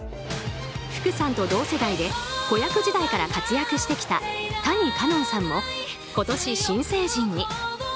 福さんと同世代で子役時代から活躍してきた谷花音さんも今年、新成人に。